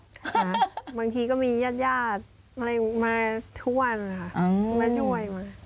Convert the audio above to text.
ค่ะบางทีก็มีญาติมาทุกวันมาช่วย